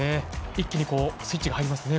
一気にスイッチが入りますね。